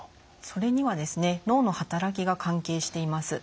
それには脳の働きが関係しています。